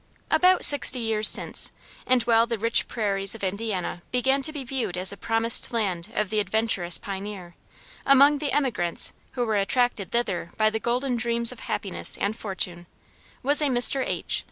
About sixty years since, and while the rich prairies of Indiana began to be viewed as the promised land of the adventurous pioneer, among the emigrants who were attracted thither by the golden dreams of happiness and fortune, was a Mr. H.